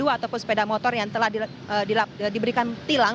ataupun sepeda motor yang telah diberikan tilang